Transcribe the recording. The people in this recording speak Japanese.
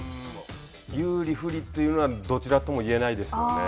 有利不利というのは、どちらとも言えないですよね。